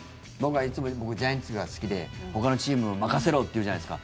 僕、ジャイアンツが好きでほかのチーム、負かせろって言うじゃないですか。